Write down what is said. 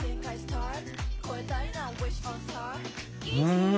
うん。